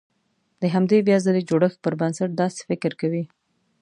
د همدې بيا ځلې جوړښت پر بنسټ داسې فکر کوي.